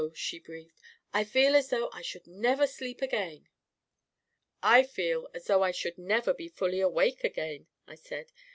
" she breathed. 44 1 feel as though I should never sleep again !" 44 1 feel, as though I should never be fully awake again," I said.